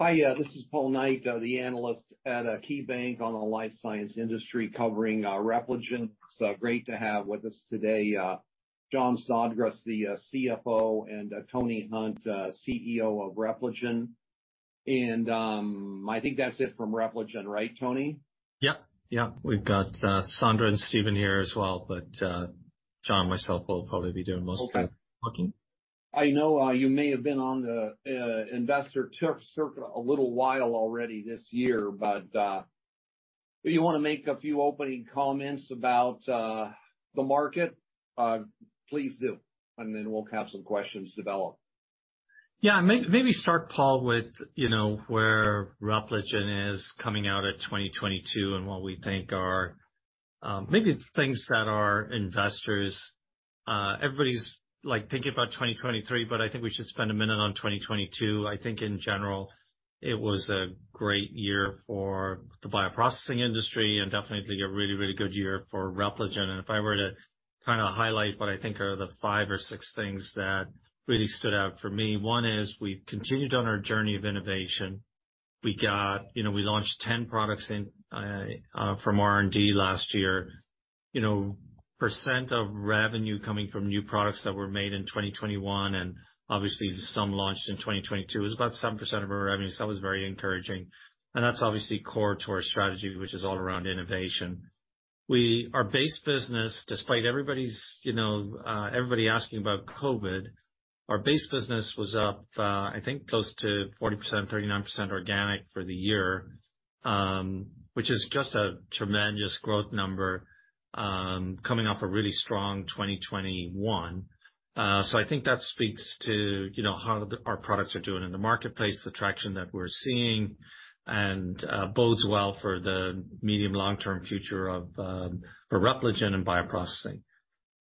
Hi, this is Paul Knight, the Analyst at KeyBanc on the Life Science Industry covering Repligen. It's great to have with us today, Jon Snodgres, the CFO, and Tony Hunt, CEO of Repligen. I think that's it from Repligen, right, Tony? Yeah. Yeah. We've got Sandra and Steven here as well, Jon Snodgres and myself will probably be doing most of. Okay. Talking. I know, you may have been on the investor circuit a little while already this year, but if you wanna make a few opening comments about the market, please do, and then we'll have some questions develop. Yeah. Maybe start, Paul, with, you know, where Repligen is coming out of 2022 and what we think are maybe things that our investors. Everybody's, like, thinking about 2023, but I think we should spend a minute on 2022. I think in general, it was a great year for the Bioprocessing industry and definitely a really, really good year for Repligen. If I were to kinda highlight what I think are the five or six things that really stood out for me, one is we continued on our journey of innovation. You know, we launched 10 products in from R&D last year. You know, percent of revenue coming from new products that were made in 2021 and obviously some launched in 2022 is about 7% of our revenue, so that was very encouraging. That's obviously core to our strategy, which is all around innovation. Our base business, despite everybody's, you know, everybody asking about COVID, our base business was up, I think close to 40%, 39% organic for the year, which is just a tremendous growth number, coming off a really strong 2021. I think that speaks to, you know, how our products are doing in the marketplace, the traction that we're seeing, bodes well for the medium long-term future of Repligen and bioprocessing.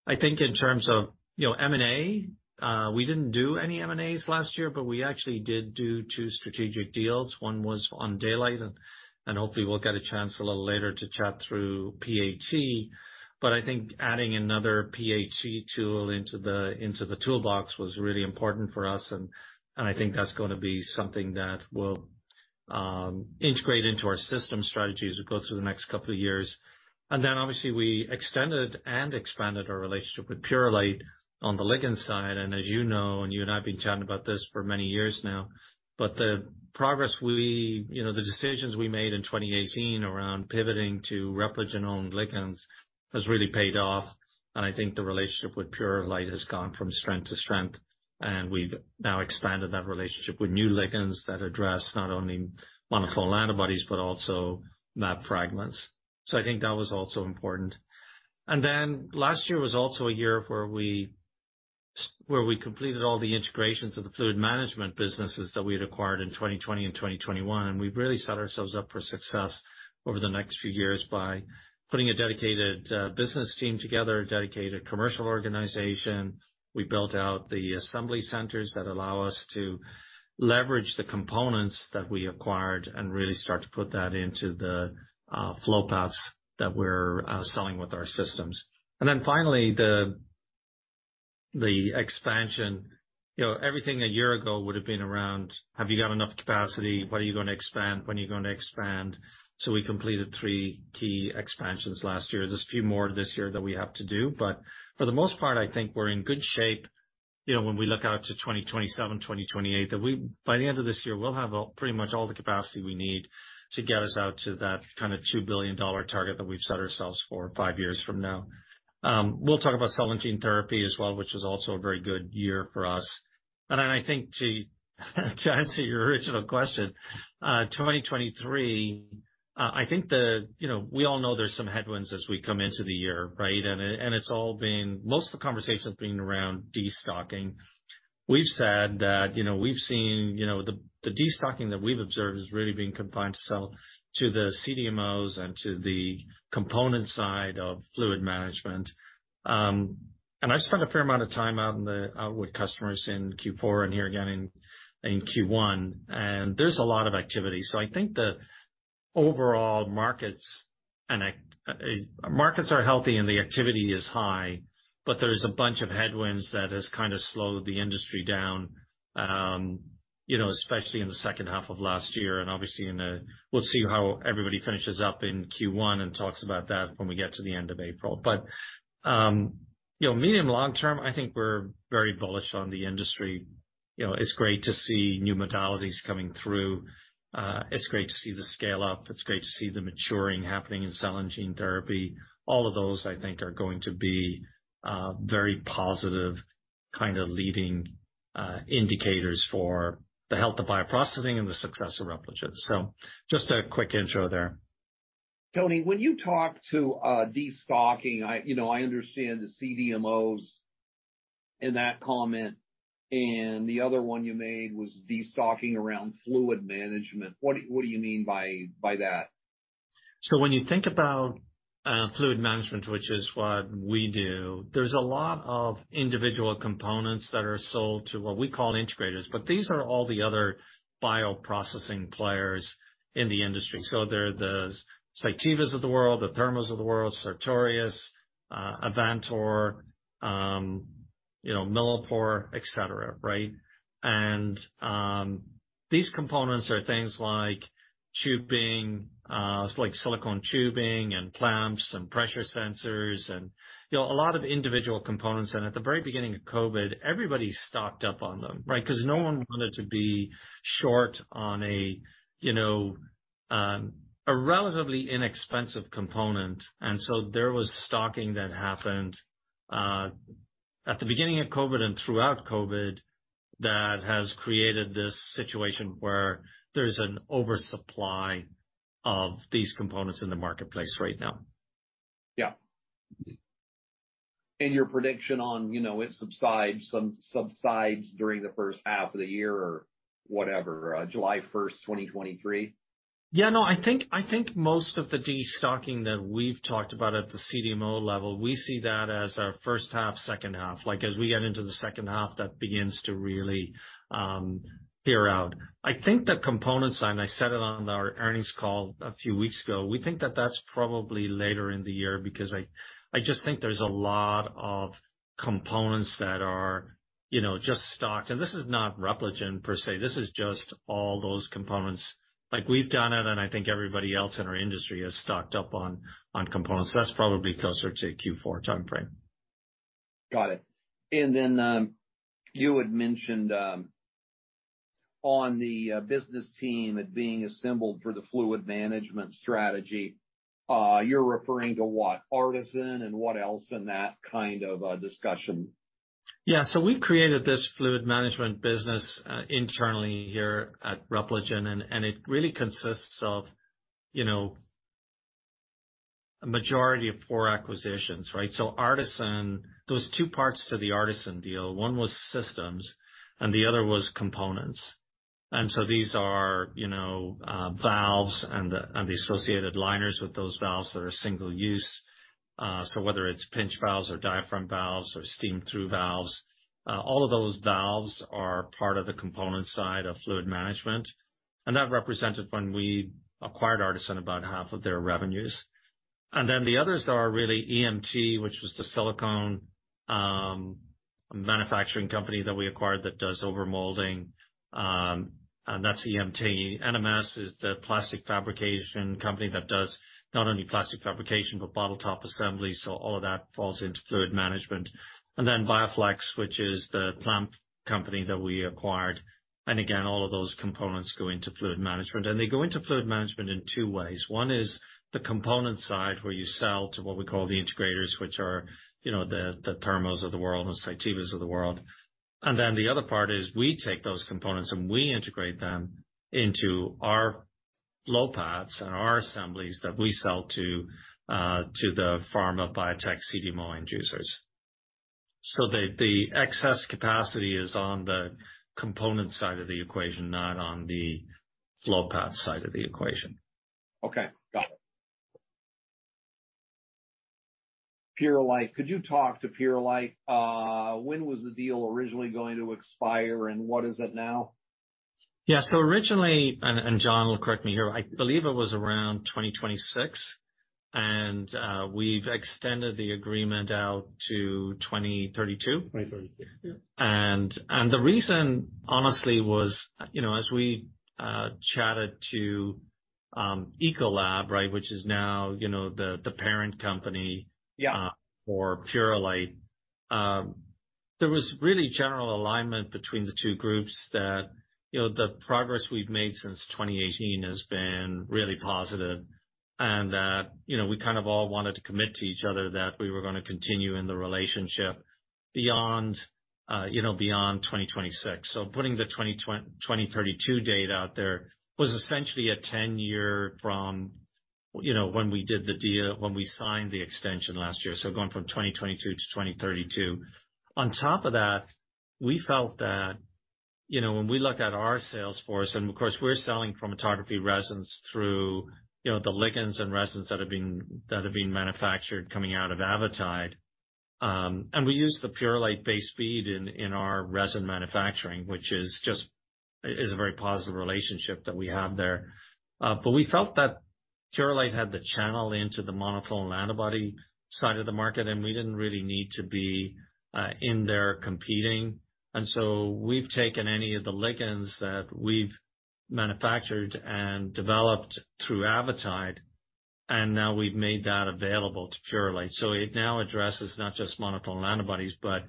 I think in terms of, you know, M&A, we didn't do any M&As last year, but we actually did do two strategic deals. One was on Daylight, and hopefully we'll get a chance a little later to chat through PAT. I think adding another PAT tool into the toolbox was really important for us, and I think that's gonna be something that will integrate into our system strategy as we go through the next couple of years. Then obviously we extended and expanded our relationship with Purolite on the ligand side. As you know, and you and I have been chatting about this for many years now, but the progress, you know, the decisions we made in 2018 around pivoting to Repligen-owned ligands has really paid off, and I think the relationship with Purolite has gone from strength to strength. We've now expanded that relationship with new ligands that address not only monoclonal antibodies, but also mAb fragments. I think that was also important. Last year was also a year where we completed all the integrations of the Fluid Management businesses that we had acquired in 2020 and 2021. We've really set ourselves up for success over the next few years by putting a dedicated business team together, a dedicated commercial organization. We built out the assembly centers that allow us to leverage the components that we acquired and really start to put that into the flow pass that we're selling with our systems. Finally, the expansion. You know, everything a year ago would've been around have you got enough capacity, what are you gonna expand, when are you gonna expand? We completed three key expansions last year. There's a few more this year that we have to do, but for the most part, I think we're in good shape, you know, when we look out to 2027, 2028, that by the end of this year, we'll have all, pretty much all the capacity we need to get us out to that kinda $2 billion target that we've set ourselves for 5 years from now. We'll talk about cell and gene therapy as well, which was also a very good year for us. Then I think to answer your original question, 2023, I think the. You know, we all know there's some headwinds as we come into the year, right? It's all been. Most of the conversation's been around destocking. We've said that, you know, we've seen, you know, the destocking that we've observed has really been confined to the CDMOs and to the component side of fluid management. I've spent a fair amount of time out with customers in Q4 and here again in Q1, there's a lot of activity. I think the overall markets and markets are healthy and the activity is high, but there's a bunch of headwinds that has kinda slowed the industry down, you know, especially in the second half of last year and obviously We'll see how everybody finishes up in Q1 and talks about that when we get to the end of April. You know, medium long-term, I think we're very bullish on the industry. You know, it's great to see new modalities coming through. It's great to see the scale up. It's great to see the maturing happening in cell and gene therapy. All of those, I think, are going to be very positive kinda leading indicators for the health of bioprocessing and the success of Repligen. Just a quick intro there. Tony, when you talk to destocking, I, you know, I understand the CDMOs in that comment, and the other one you made was destocking around fluid management. What do you mean by that? When you think about fluid management, which is what we do, there's a lot of individual components that are sold to what we call integrators, but these are all the other bioprocessing players in the industry. They're the Cytivas of the world, the Thermos of the world, Sartorius, Avantor, you know, Millipore, et cetera, right? These components are things like tubing, like silicone tubing and clamps and pressure sensors and, you know, a lot of individual components. At the very beginning of COVID, everybody stocked up on them, right? Because no one wanted to be short on a, you know, a relatively inexpensive component. There was stocking that happened at the beginning of COVID and throughout COVID that has created this situation where there's an oversupply of these components in the marketplace right now. Yeah. your prediction on, you know, it subsides during the first half of the year or whatever, July first, 2023. No, I think most of the destocking that we've talked about at the CDMO level, we see that as our first half, second half. Like, as we get into the second half, that begins to really clear out. I think the component side, and I said it on our earnings call a few weeks ago, we think that that's probably later in the year because I just think there's a lot of components that are, you know, just stocked. This is not Repligen per se. This is just all those components. Like, we've done it, and I think everybody else in our industry has stocked up on components. That's probably closer to a Q4 timeframe. Got it. You had mentioned on the business team it being assembled for the fluid management strategy. You're referring to what? ARTeSYN and what else in that kind of a discussion? Yeah. We created this Fluid Management business internally here at Repligen. And it really consists of, you know, a majority of 4 acquisitions, right? ARTeSYN, there was 2 parts to the ARTeSYN deal. One was systems, and the other was components. These are, you know, valves and the associated liners with those valves that are single use. So whether it's pinch valves or diaphragm valves or steam-through valves, all of those valves are part of the component side of fluid management. That represented when we acquired ARTeSYN about half of their revenues. The others are really EMT, which was the Silicone Manufacturing company that we acquired that does overmolding. And that's EMT. NMS is the Plastic Fabrication company that does not only plastic fabrication, but bottle top assembly. All of that falls into fluid management. BioFlex, which is the Clamp company that we acquired. All of those components go into fluid management. They go into fluid management in two ways. One is the component side, where you sell to what we call the integrators, which are, you know, the Thermo of the world and Cytiva of the world. The other part is we take those components and we integrate them into our flow paths and our assemblies that we sell to the pharma biotech CDMO end users. The excess capacity is on the component side of the equation, not on the flow path side of the equation. Okay. Got it. Purolite. Could you talk to Purolite? When was the deal originally going to expire, and what is it now? Yeah. Originally, and Jon will correct me here, I believe it was around 2026. We've extended the agreement out to 2032. 2032. Yeah. The reason honestly was, you know, as we chatted to Ecolab, right, which is now, you know, the parent company. Yeah. For Purolite, there was really general alignment between the two groups that, you know, the progress we've made since 2018 has been really positive and that, you know, we kind of all wanted to commit to each other that we were gonna continue in the relationship beyond, you know, beyond 2026. Putting the 2032 date out there was essentially a 10-year from, you know, when we did the deal, when we signed the extension last year, so going from 2022 to 2032. On top of that, we felt that, you know, when we looked at our sales force, and of course, we're selling chromatography resins through, you know, the ligands and resins that have been manufactured coming out of Avitide. We use the Purolite-based feed in our resin manufacturing, which is just, it is a very positive relationship that we have there. But we felt that Purolite had the channel into the monoclonal antibody side of the market and we didn't really need to be in there competing. We've taken any of the ligands that we've manufactured and developed through Avitide, and now we've made that available to Purolite. It now addresses not just monoclonal antibodies, but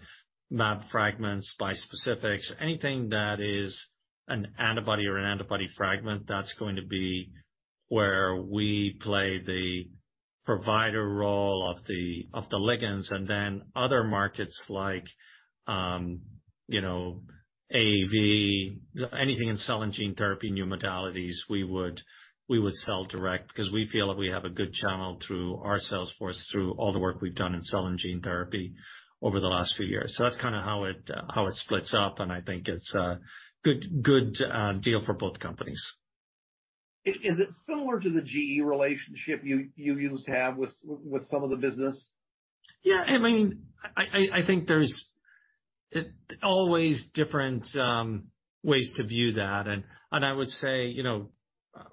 mAb fragments, bispecifics, anything that is an antibody or an antibody fragment, that's going to be where we play the provider role of the ligands. Then other markets like, you know, AAV, anything in cell and gene therapy, new modalities, we would sell direct 'cause we feel that we have a good channel through our sales force, through all the work we've done in cell and gene therapy over the last few years. That's kinda how it, how it splits up, and I think it's a good deal for both companies. Is it similar to the GE relationship you used to have with some of the business? Yeah. I mean, I think there's always different ways to view that. I would say, you know,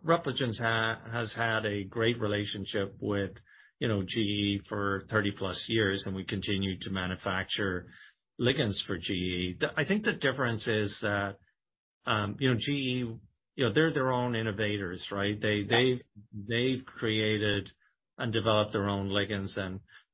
Repligen's has had a great relationship with, you know, GE for 30-plus years, and we continue to manufacture ligands for GE. I think the difference is that, you know, GE, you know, they're their own innovators, right? They've created and developed their own ligands.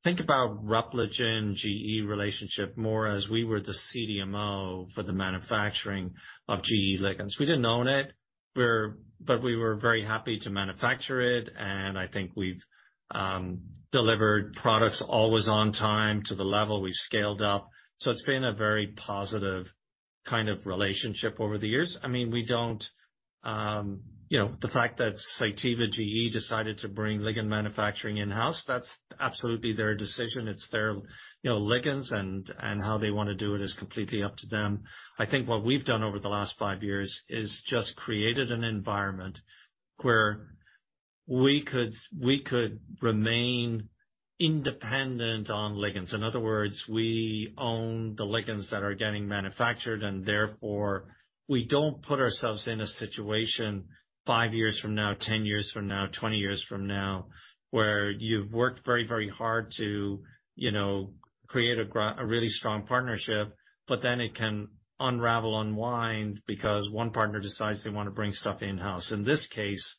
Think about Repligen, GE relationship more as we were the CDMO for the manufacturing of GE ligands. We didn't own it, but we were very happy to manufacture it, and I think we've delivered products always on time to the level we've scaled up. It's been a very positive kind of relationship over the years. I mean, we don't, you know, the fact that Cytiva/GE decided to bring ligand manufacturing in-house, that's absolutely their decision. It's their, you know, ligands, and how they wanna do it is completely up to them. I think what we've done over the last 5 years is just created an environment where we could, we could remain independent on ligands. In other words, we own the ligands that are getting manufactured, and therefore we don't put ourselves in a situation 5 years from now, 10 years from now, 20 years from now, where you've worked very, very hard to, you know, create a really strong partnership, but then it can unravel, unwind because one partner decides they wanna bring stuff in-house. In this case,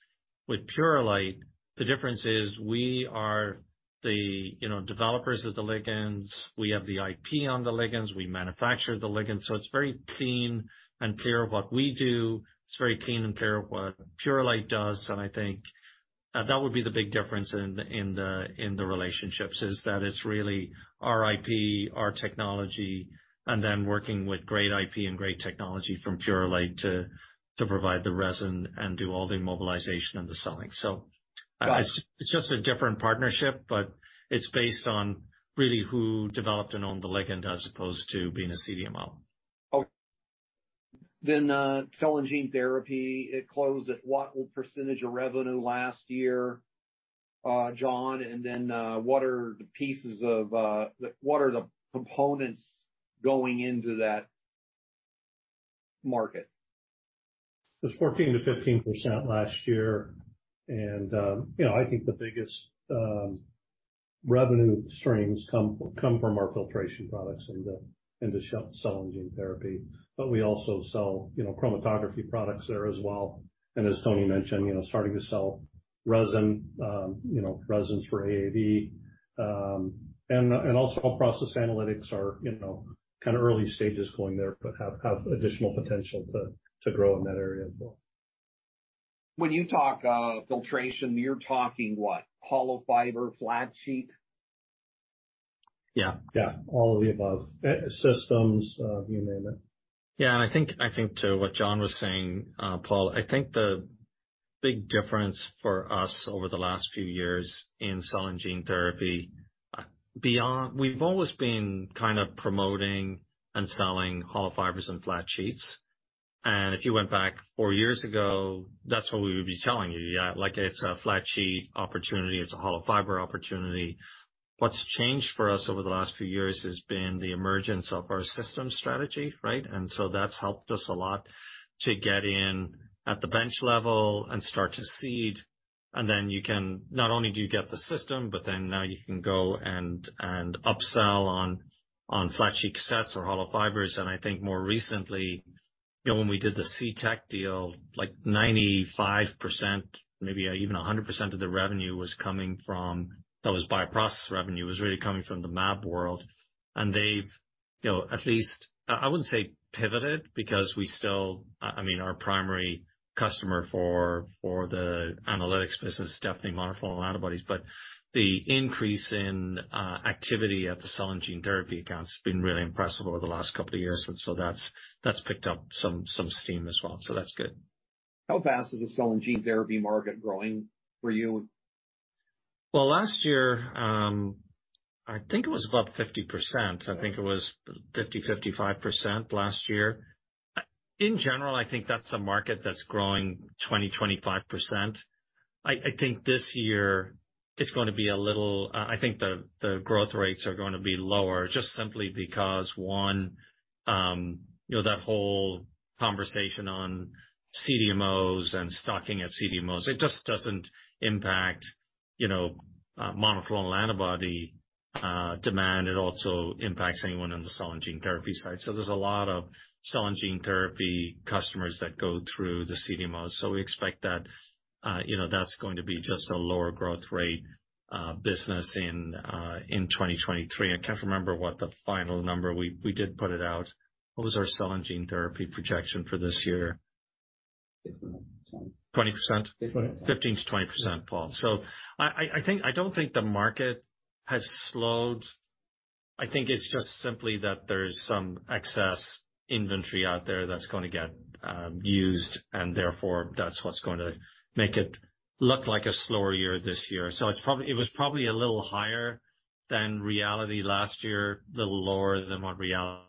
with Purolite, the difference is we are the, you know, developers of the ligands. We have the IP on the ligands. We manufacture the ligands. It's very clean and clear what we do. It's very clean and clear what Purolite does. I think, that would be the big difference in the, in the relationships, is that it's really our IP, our technology, and then working with great IP and great technology from Purolite to provide the resin and do all the immobilization and the selling. It's just a different partnership, but it's based on really who developed and owned the ligand as opposed to being a CDMO. Okay. Cell and gene therapy, it closed at what % of revenue last year, Jon? What are the pieces of, like, what are the components going into that market? It was 14%-15% last year. You know, I think the biggest revenue streams come from our Filtration products in the cell and gene therapy. We also sell, you know, Chromatography products there as well. As Tony mentioned, you know, starting to sell resin, you know, resins for AAV. And also process analytics are, you know, kinda early stages going there, but have additional potential to grow in that area as well. When you talk, filtration, you're talking what? hollow fiber, flat sheet? Yeah. Yeah. All of the above. Systems, you name it. Yeah. I think to what Jon was saying, Paul, I think the big difference for us over the last few years in cell and gene therapy. We've always been kind of promoting and selling hollow fibers and flat sheets. If you went back 4 years ago, that's what we would be telling you. Yeah, like, it's a flat sheet opportunity, it's a hollow fiber opportunity. What's changed for us over the last few years has been the emergence of our system strategy, right? That's helped us a lot to get in at the bench level and start to seed. Then you can not only do you get the system, but then now you can go and upsell on flat sheet cassettes or hollow fibers. I think more recently, you know, when we did the CTech deal, like 95%, maybe even 100% of the revenue was coming from those bioprocess revenue, was really coming from the mAb world. They've, you know, at least. I wouldn't say pivoted because we still, I mean, our primary customer for the Analytics business is definitely monoclonal antibodies. The increase in activity at the cell and gene therapy accounts has been really impressive over the last couple of years. That's picked up some steam as well, so that's good. How fast is the cell and gene therapy market growing for you? Last year, I think it was about 50%. I think it was 50%-55% last year. In general, I think that's a market that's growing 20%-25%. I think this year it's gonna be a little. I think the growth rates are gonna be lower just simply because, one, you know, that whole conversation on CDMOs and stocking at CDMOs, it just doesn't impact, you know, monoclonal antibody demand. It also impacts anyone on the cell and gene therapy side. There's a lot of cell and gene therapy customers that go through the CDMOs. We expect that, you know, that's going to be just a lower growth rate business in 2023. I can't remember what the final number. We did put it out. What was our cell and gene therapy projection for this year? 15%, 20%. 20%? Fifteen. 15%-20% fall. I don't think the market has slowed. I think it's just simply that there's some excess inventory out there that's gonna get used, and therefore that's what's gonna make it look like a slower year this year. It was probably a little higher than reality last year, little lower than what reality.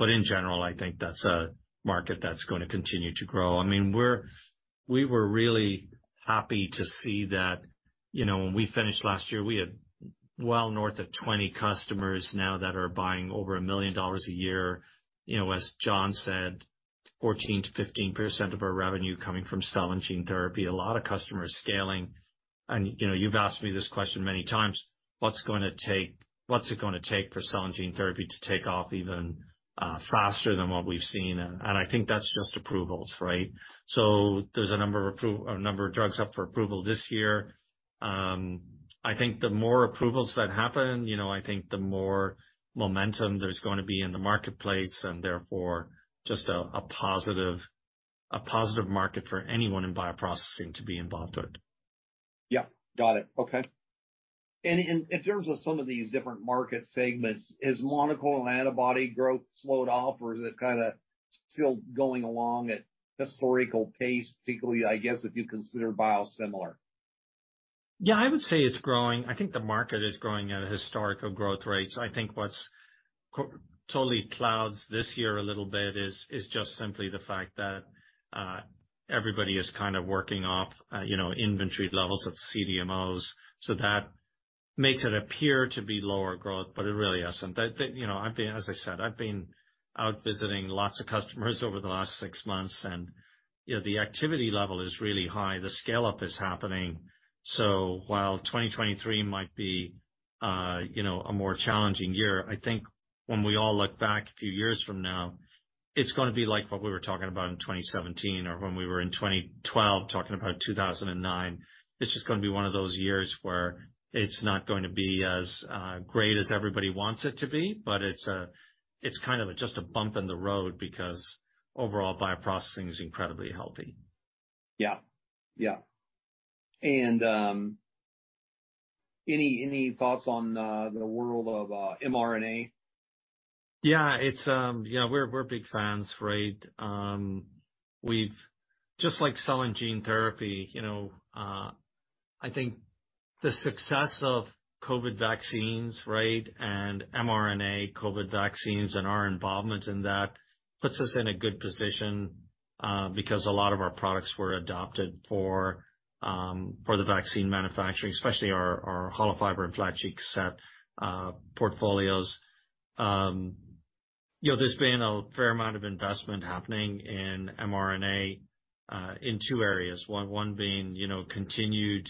In general, I think that's a market that's gonna continue to grow. I mean, we were really happy to see that, you know, when we finished last year, we had well north of 20 customers now that are buying over $1 million a year. You know, as Jon Snodgres said, 14%-15% of our revenue coming from cell and gene therapy, a lot of customers scaling. You know, you've asked me this question many times, what's it gonna take for cell and gene therapy to take off even faster than what we've seen? I think that's just approvals, right? There's a number of drugs up for approval this year, I think the more approvals that happen, you know, I think the more momentum there's gonna be in the marketplace, and therefore just a positive market for anyone in bioprocessing to be involved with. Yeah. Got it. Okay. In terms of some of these different market segments, has monoclonal antibody growth slowed off, or is it kinda still going along at historical pace, particularly, I guess, if you consider biosimilar? Yeah, I would say it's growing. I think the market is growing at a historical growth rates. I think what's totally clouds this year a little bit is just simply the fact that everybody is kind of working off, you know, inventory levels at CDMOs, so that makes it appear to be lower growth, but it really isn't. You know, as I said, I've been out visiting lots of customers over the last 6 months, and, you know, the activity level is really high. The scale-up is happening. While 2023 might be, you know, a more challenging year, I think when we all look back a few years from now, it's gonna be like what we were talking about in 2017 or when we were in 2012 talking about 2009. It's just gonna be one of those years where it's not going to be as great as everybody wants it to be, but it's kind of just a bump in the road because overall bioprocessing is incredibly healthy. Yeah. Yeah. Any thoughts on the world of mRNA? Yeah. We're, we're big fans, right? Just like cell and gene therapy, you know, I think the success of COVID vaccines, right, and mRNA COVID vaccines and our involvement in that puts us in a good position because a lot of our products were adopted for the vaccine manufacturing, especially our hollow fiber and flat sheet set portfolios. You know, there's been a fair amount of investment happening in mRNA in two areas. One being, you know, continued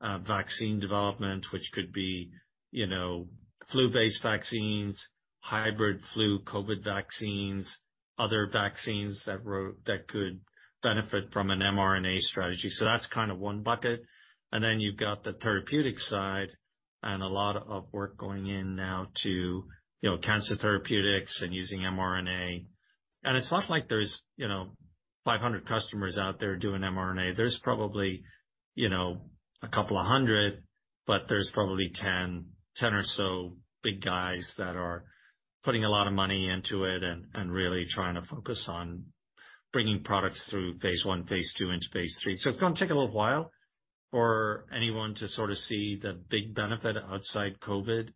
vaccine development, which could be, you know, flu-based vaccines, hybrid flu COVID vaccines, other vaccines that could benefit from an mRNA strategy. That's kind of one bucket. You've got the therapeutic side and a lot of work going in now to, you know, cancer therapeutics and using mRNA. It's not like there's, you know, 500 customers out there doing mRNA. There's probably, you know, a couple of 100, but there's probably 10 or so big guys that are putting a lot of money into it and really trying to focus on bringing products through phase I, phase II, and phase III. It's gonna take a little while for anyone to sort of see the big benefit outside COVID,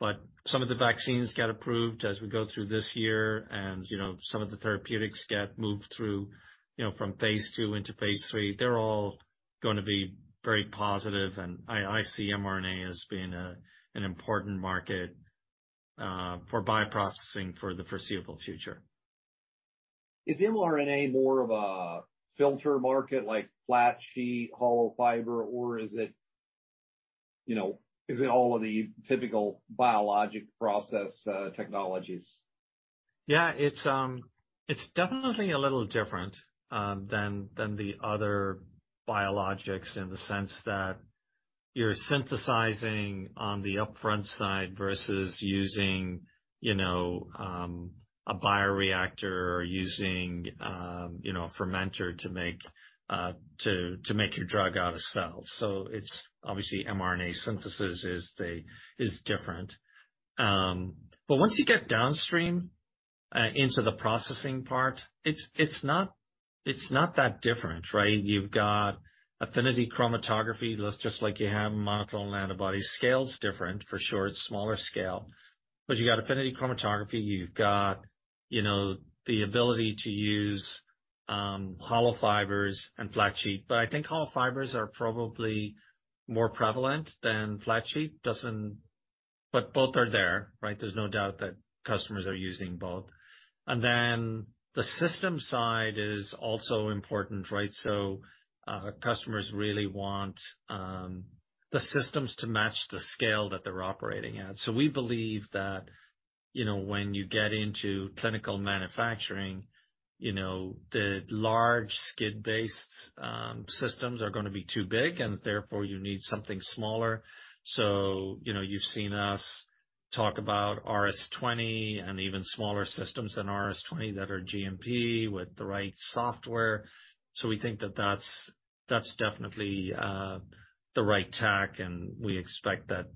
but some of the vaccines get approved as we go through this year and, you know, some of the therapeutics get moved through, you know, from phase II into phase III. They're all gonna be very positive, and I see mRNA as being a, an important market for bioprocessing for the foreseeable future. Is mRNA more of a filter market like flat sheet, hollow fiber, or is it, you know, is it all of the typical biologic process technologies? Yeah. It's definitely a little different than the other biologics in the sense that you're synthesizing on the upfront side versus using, you know, a bioreactor or using, you know, a fermenter to make your drug out of cells. It's obviously mRNA synthesis is different. Once you get downstream into the processing part, it's not that different, right? You've got affinity chromatography, just like you have monoclonal antibodies. Scale is different for sure. It's smaller scale. You got affinity chromatography. You've got, you know, the ability to use hollow fibers and flat sheet. I think hollow fibers are probably more prevalent than flat sheet. Both are there, right? There's no doubt that customers are using both. The system side is also important, right? Customers really want the systems to match the scale that they're operating at. We believe that, you know, when you get into clinical manufacturing, you know, the large skid-based systems are gonna be too big, and therefore you need something smaller. You know, you've seen us talk about RS20 and even smaller systems than RS20 that are GMP with the right software. We think that that's definitely the right tack, and we expect that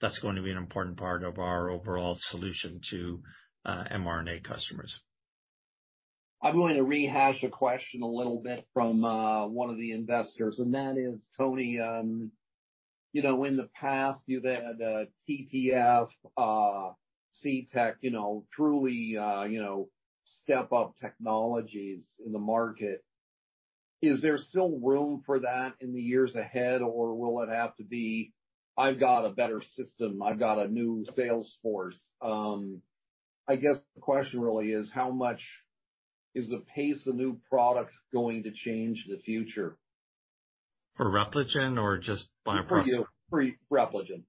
that's going to be an important part of our overall solution to mRNA customers. I'm going to rehash a question a little bit from, one of the investors, and that is Tony, you know, in the past you've had, TFF, CTech, you know, truly, you know, step up technologies in the market. Is there still room for that in the years ahead, or will it have to be, "I've got a better system, I've got a new sales force"? I guess the question really is how much is the pace of new products going to change the future? For Repligen or just bioprocess? For you. For Repligen.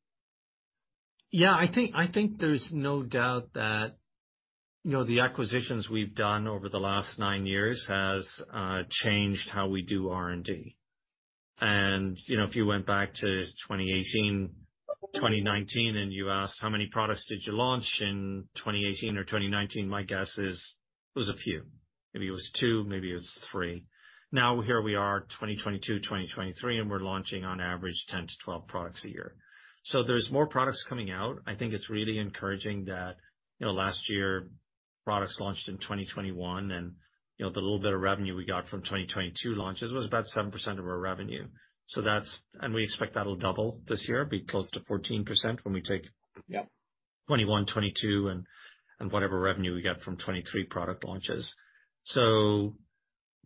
Yeah. I think there's no doubt that, you know, the acquisitions we've done over the last nine years has changed how we do R&D. You know, if you went back to 2018, 2019 and you asked how many products did you launch in 2018 or 2019, my guess is it was a few. Maybe it was two, maybe it was three. Now here we are, 2022, 2023, and we're launching on average 10-12 products a year. There's more products coming out. I think it's really encouraging that, you know, last year products launched in 2021 and, you know, the little bit of revenue we got from 2022 launches was about 7% of our revenue. We expect that'll double this year, be close to 14%. 2021, 2022 and whatever revenue we get from 23 product launches.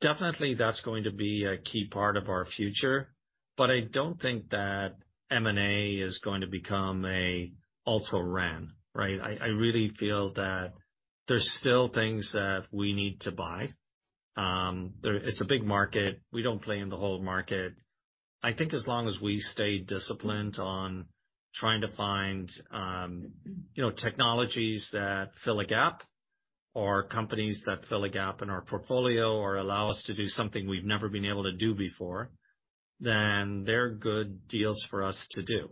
Definitely that's going to be a key part of our future, but I don't think that M&A is going to become a ultra rare, right? I really feel that there's still things that we need to buy. It's a big market. We don't play in the whole market. I think as long as we stay disciplined on trying to find, you know, technologies that fill a gap or companies that fill a gap in our portfolio or allow us to do something we've never been able to do before, then they're good deals for us to do.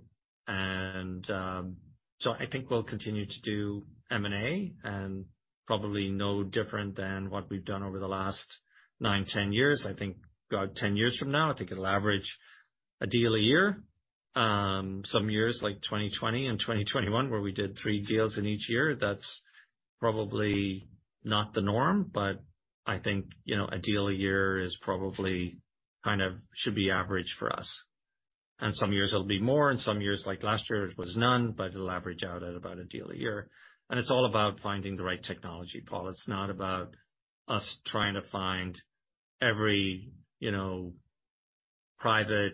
I think we'll continue to do M&A and probably no different than what we've done over the last 9, 10 years. I think go out 10 years from now, I think it'll average a deal a year. Some years like 2020 and 2021 where we did 3 deals in each year, that's probably not the norm, but I think, you know, a deal a year is probably kind of should be average for us. Some years it'll be more, and some years, like last year, it was none, but it'll average out at about a deal a year. It's all about finding the right technology, Paul. It's not about us trying to find every, you know, Private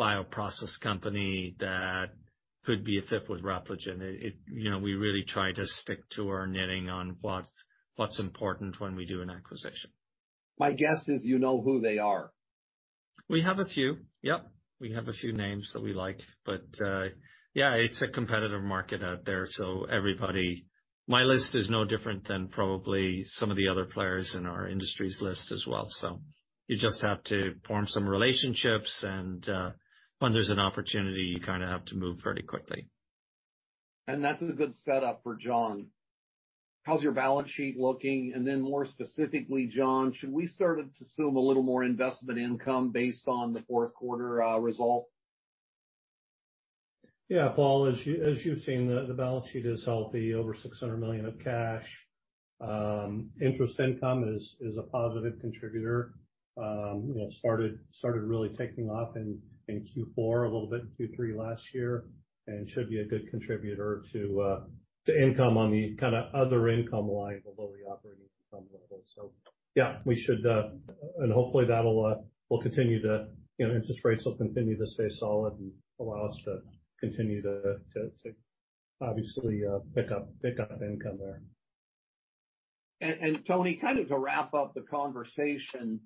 Bioprocess company that could be a fit with Repligen. You know, we really try to stick to our knitting on what's important when we do an acquisition. My guess is you know who they are. We have a few. Yep. We have a few names that we like. Yeah, it's a competitive market out there, so everybody. My list is no different than probably some of the other players in our industry's list as well. You just have to form some relationships and, when there's an opportunity, you kinda have to move pretty quickly. That's a good setup for Jon. How's your balance sheet looking? More specifically, Jon, should we start to assume a little more investment income based on the fourth quarter result? Yeah, Paul, as you've seen, the balance sheet is healthy, over $600 million of cash. Interest income is a positive contributor. You know, started really taking off in Q4 a little bit in Q3 last year, and should be a good contributor to income on the kinda other income line below the operating income level. Yeah, we should. Hopefully that'll will continue to, you know, interest rates will continue to stay solid and allow us to continue to obviously pick up income there. Tony, kind of to wrap up the conversation,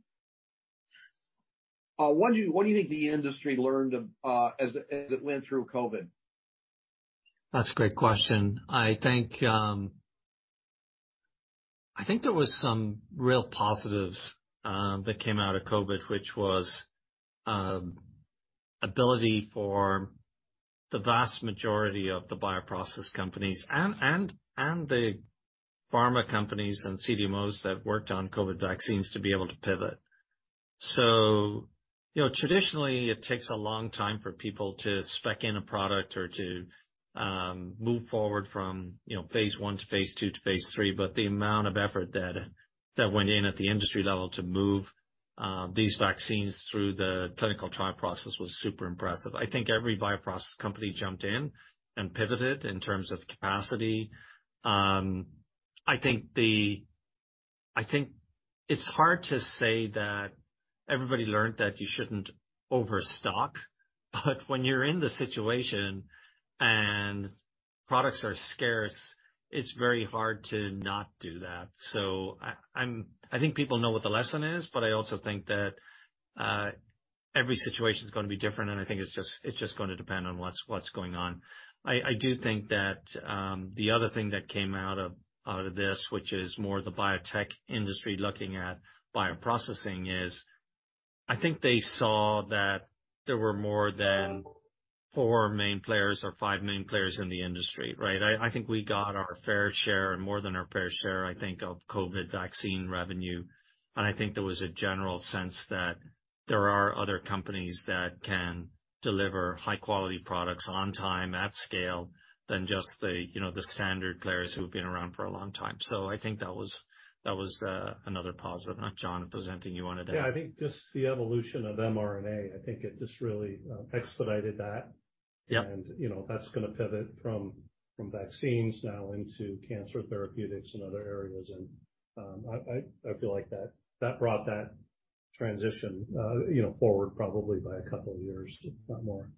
what do you think the industry learned, as it went through Covid? That's a great question. I think there was some real positives that came out of Covid, which was ability for the vast majority of the bioprocess companies and the pharma companies and CDMOs that worked on Covid vaccines to be able to pivot. You know, traditionally it takes a long time for people to spec in a product or to move forward from, you know, phase I to phase II to phase III, but the amount of effort that went in at the industry level to move these vaccines through the clinical trial process was super impressive. I think every Bioprocess company jumped in and pivoted in terms of capacity. I think it's hard to say that everybody learned that you shouldn't overstock, when you're in the situation and products are scarce, it's very hard to not do that. I think people know what the lesson is, but I also think that every situation is gonna be different, and I think it's just, it's just gonna depend on what's going on. I do think that the other thing that came out of, out of this, which is more the Biotech industry looking at Bioprocessing, is I think they saw that there were more than four main players or five main players in the industry, right? I think we got our fair share and more than our fair share, I think, of COVID vaccine revenue, and I think there was a general sense. There are other companies that can deliver high quality products on time at scale than just the, you know, the standard players who've been around for a long time. I think that was another positive. Now, Jon Snodgres, if there's anything you wanted to. I think just the evolution of mRNA, I think it just really expedited that. Yeah. You know, that's gonna pivot from vaccines now into cancer therapeutics and other areas. I feel like that brought that transition, you know, forward probably by a couple of years, if not more.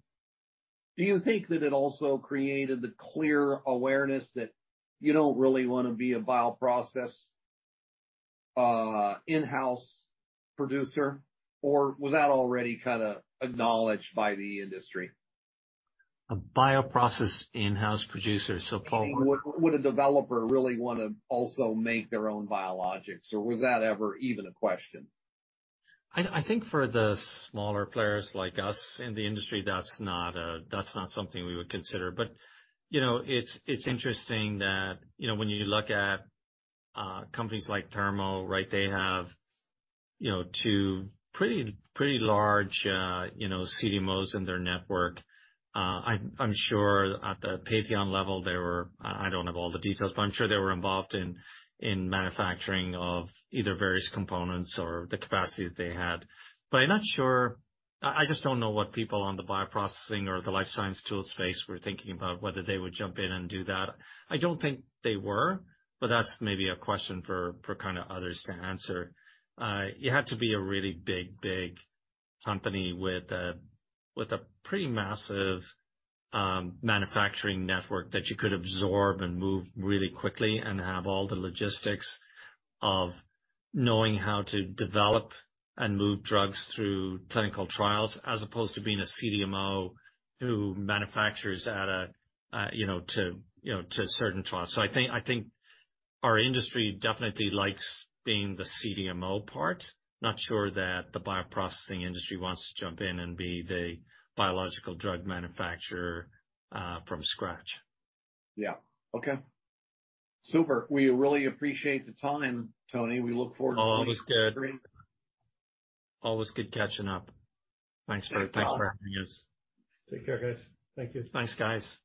Do you think that it also created the clear awareness that you don't really want to be a bioprocess in-house producer? Was that already kind of acknowledged by the industry? A bioprocess in-house producer. Paul would-. Would a developer really wanna also make their own biologics, or was that ever even a question? I think for the smaller players like us in the industry, that's not something we would consider. You know, it's interesting that, you know, when you look at companies like Thermo, right? They have, you know, two pretty large CDMOs in their network. I'm sure at the Patheon level, they were. I don't have all the details, but I'm sure they were involved in manufacturing of either various components or the capacity that they had. I'm not sure. I just don't know what people on the bioprocessing or the life science tool space were thinking about whether they would jump in and do that. I don't think they were, that's maybe a question for kinda others to answer. You had to be a really big, big company with a, with a pretty massive manufacturing network that you could absorb and move really quickly and have all the logistics of knowing how to develop and move drugs through clinical trials as opposed to being a CDMO who manufactures at a, you know, to, you know, to certain trials. So I think, I think our industry definitely likes being the CDMO part. Not sure that the Bioprocessing industry wants to jump in and be the biological drug manufacturer from scratch. Okay. Super. We really appreciate the time, Tony. We look forward to. Always good. Always good catching up. Thanks for- Yeah. Thanks for having us. Take care, guys. Thank you. Thanks, guys.